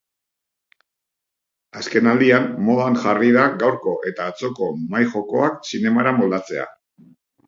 Azkenaldian modan jarri da gaurko eta atzoko mahai-jokoak zinemara moldatzea.